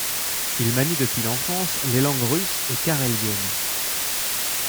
Il manie depuis l'enfance les langues russe et carélienne.